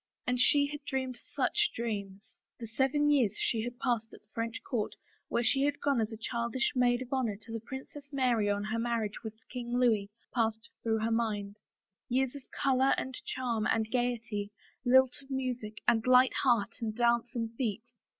And she had dreamed such dreams ! The seven years she had passed at the French court where she had gone as a childish maid of honor to the Princess Mary on her marriage with King Louis, passed through her mind — years of color and charm and gayety, lilt of music and light hearts and dancing feet.